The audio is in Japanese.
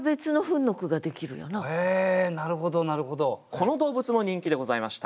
この動物も人気でございました。